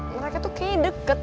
mereka tuh kayaknya deket